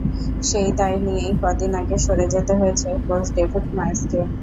সেই দায় নিয়েই কদিন আগে সরে যেতে হয়েছে কোচ ডেভিড ময়েসকে।